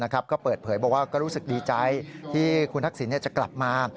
ก็เปิดเผยบอกว่าก็รู้สึกดีใจที่คุณทักษิณจะกลับมา